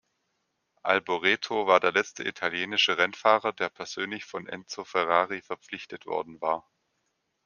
Alboreto war der letzte italienische Rennfahrer, der persönlich von Enzo Ferrari verpflichtet worden war.